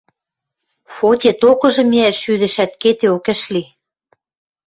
– Фоте токыжы миӓш шӱдӹшӓт, кедеок ӹш ли.